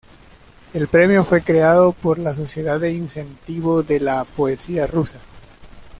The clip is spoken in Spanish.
El premio fue creado por la Sociedad de incentivo de la poesía rusa.